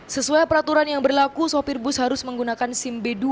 sesuai peraturan yang berlaku sopir bus harus menggunakan sim b dua